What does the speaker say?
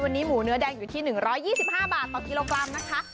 วันนี้หมูเนื้อแดงอยู่ที่๑๒๕บาทต่อกิโลกรัมนะคะ